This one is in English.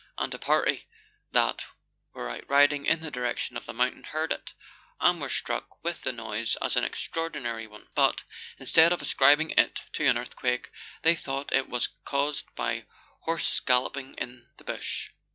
And a party that were out riding in the direction of the mountain heard it, and were struck with the noise as an extraordinary one ; but, instead of ascribing it to an earthquake, they thought it was caused by horses galloping in the bush.